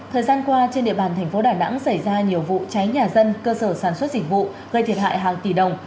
thời gian qua trên địa bàn thành phố đà nẵng xảy ra nhiều vụ cháy nhà dân cơ sở sản xuất dịch vụ gây thiệt hại hàng tỷ đồng